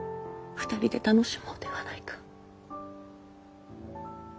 ２人で楽しもうではないか。